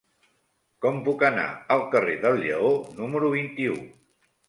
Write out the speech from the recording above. Com puc anar al carrer del Lleó número vint-i-u?